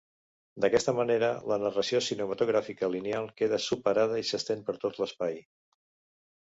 D'aquesta manera, la narració cinematogràfica lineal queda superada i s'estén per tot l'espai.